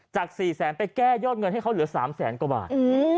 จากสี่แสนไปแก้ยอดเงินให้เขาเหลือสามแสนกว่าอืม